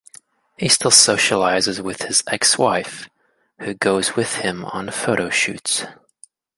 He still socializes with his ex-wife, who goes with him on photo shoots.